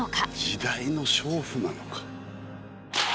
「時代の娼婦なのか」。